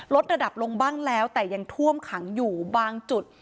ลดระดับลงบ้างแล้วแต่ยังท่วมขังอยู่บางจุด